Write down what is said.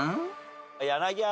柳原。